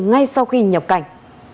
ngay sau khi nhập cảnh